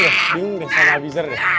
aku bingung deh sama abizar